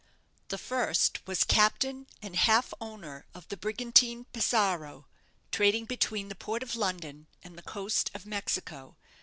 The first was captain and half owner of the brigantine 'Pizarro', trading between the port of London, and the coast of Mexico.